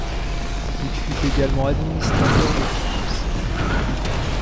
Il fut également administrateur de Philips.